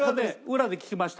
裏で聞きました。